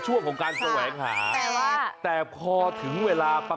ก็ต้องพูดแบบตก